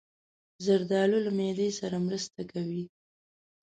زردالو له معدې سره مرسته کوي.